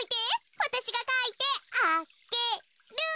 わたしがかいてあげる。